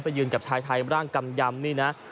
ยืนกับชายไทยร่างกำยำนี่นะ